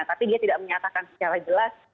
tapi dia tidak menyatakan secara jelas